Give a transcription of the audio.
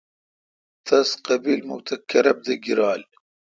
تس قبیمکھ تہ کرب دہ گیرال۔